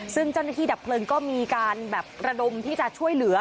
ซึ่งเจ้าหน้าที่ดับเพลิงก็มีการแบบระดมที่จะช่วยเหลือ